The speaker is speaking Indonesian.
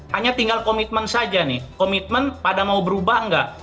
hanya tinggal komitmen saja nih komitmen pada mau berubah nggak